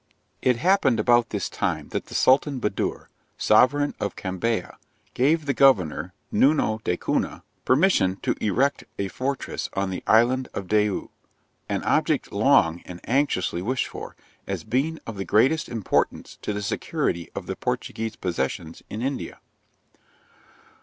'It happened about this time that the Sultan Badur, sovereign of Cambaya, gave the governor, Nuno da Cunha, permission to erect a fortress on the island of Diu, an object long and anxiously wished for, as being of the greatest importance to the security of the Portuguese possessions in India.